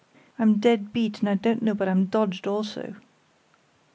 I'm dead beat, and I don't know but I'm dodged also."